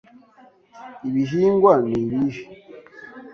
Ibihingwa ni ibihe?